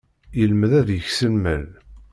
Yelmed ad yeks lmal.